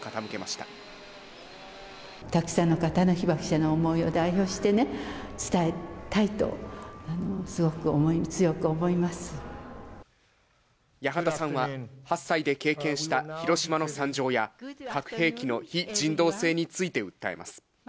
たくさんの方の被爆者の思いを代表してね、八幡さんは、８歳で経験した広島の惨状や、核兵器の非人道性について訴えます。